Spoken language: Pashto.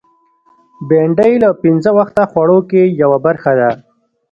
بېنډۍ له پینځه وخته خوړو کې یوه برخه ده